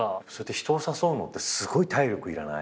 人を誘うのってすごい体力いらない？